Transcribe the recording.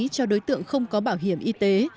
cho đối tượng không có bảo hiểm y tế